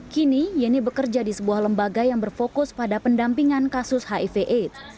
kini yeni bekerja di sebuah lembaga yang berfokus pada pendampingan kasus hiv aids